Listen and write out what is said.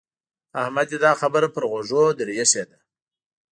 احمد دې دا خبره پر غوږو در اېښې ده.